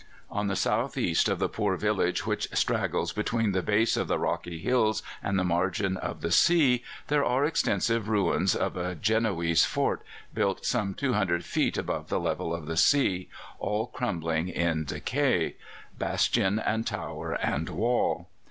"On the south east of the poor village which straggles between the base of the rocky hills and the margin of the sea there are extensive ruins of a Genoese fort, built some 200 feet above the level of the sea, all crumbling in decay bastion and tower and wall.